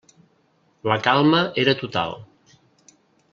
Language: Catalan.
La calma era total.